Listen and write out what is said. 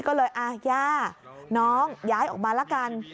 ก็เลยย่าน้องย้ายออกมาละกัน